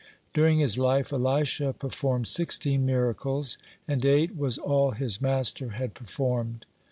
During his life Elisha performed sixteen miracles, and eight was all his master had performed.